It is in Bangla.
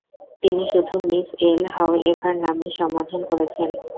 তিনি শুধু মিস এল হাওএভার নামে সম্বোধন করেছেন।